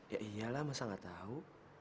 ya iyalah masa gak tau